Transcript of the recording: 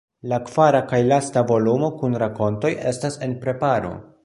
La kvara kaj lasta volumo kun rakontoj estas en preparo.